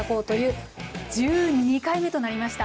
１２回目となりました。